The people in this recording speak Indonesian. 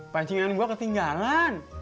pancingan gua ketinggalan